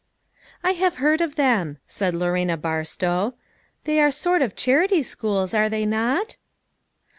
" I have heard of them," said Lorena Bar stow. "They are sort of charity schools, are they not?"